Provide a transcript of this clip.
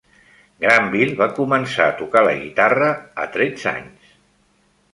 Granville va començar a tocar la guitarra a tretze anys.